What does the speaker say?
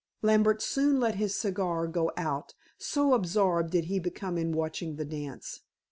Lambert soon let his cigar go out, so absorbed did he become in watching the dance.